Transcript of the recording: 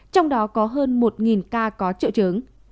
trong đó có hơn một ca có triệu trưởng